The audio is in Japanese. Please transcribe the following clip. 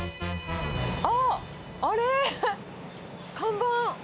あっ、あれ、看板。